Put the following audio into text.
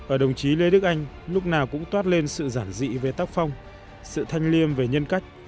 ở đồng chí lê đức anh lúc nào cũng toát lên sự giản dị về tác phong sự thanh liêm về nhân cách